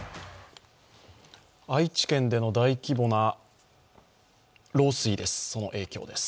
愛知県での大規模な漏水です。